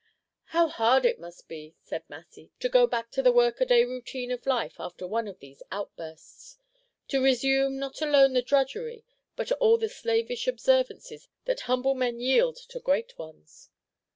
"How hard it must be," said Massy, "to go back to the workaday routine of life after one of these outbursts, to resume not alone the drudgery, but all the slavish observances that humble men yield to great ones!"